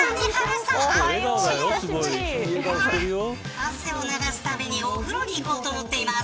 汗を流すたびにお風呂に行こうと思っています。